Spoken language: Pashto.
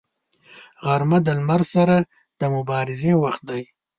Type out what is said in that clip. غرمه د لمر سره د مبارزې وخت دی